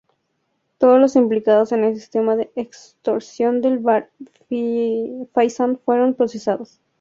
Todos los implicados en el sistema de extorsión del Bar Faisán fueron procesados.